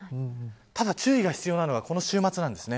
ただ注意が必要なのがこの週末です。